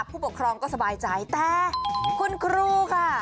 ผู้ปกครองก็สบายใจแต่คุณครูค่ะ